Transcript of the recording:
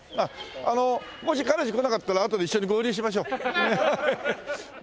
あのもし彼氏来なかったらあとで一緒に合流しましょう。